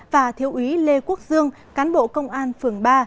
và thiếu úy lê quốc dương cán bộ công an phường ba